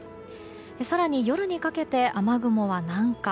更に夜にかけて雨雲は南下。